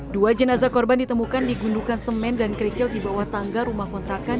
dua jenazah korban ditemukan di gundukan semen dan kerikil di bawah tangga rumah kontrakan